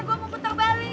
gue mau putar balik